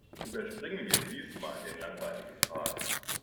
Überspringen wir diesmal den langweiligen Part.